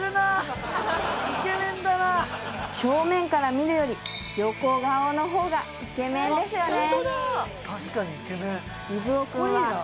正面から見るより横顔の方がイケメンですよね